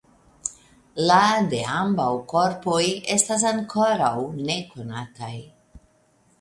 La de ambaŭ korpoj estas ankoraŭ nekonataj.